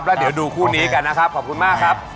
พร้อมหนีกันนะครับขอบคุณมากครับ